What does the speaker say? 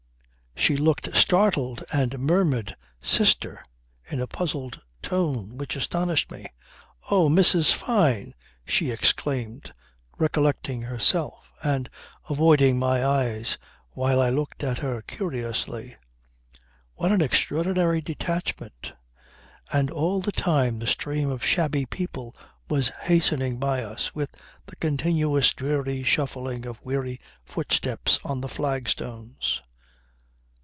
She looked startled and murmured "Sister!" in a puzzled tone which astonished me. "Oh! Mrs. Fyne," she exclaimed, recollecting herself, and avoiding my eyes while I looked at her curiously. What an extraordinary detachment! And all the time the stream of shabby people was hastening by us, with the continuous dreary shuffling of weary footsteps on the flagstones.